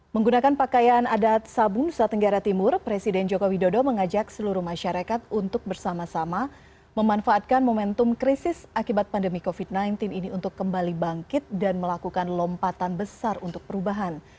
menggunakan pakaian adat sabun nusa tenggara timur presiden joko widodo mengajak seluruh masyarakat untuk bersama sama memanfaatkan momentum krisis akibat pandemi covid sembilan belas ini untuk kembali bangkit dan melakukan lompatan besar untuk perubahan